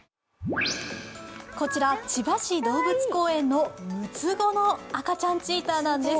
こちら、千葉市動物公園の６つ子の赤ちゃんチーターなんです。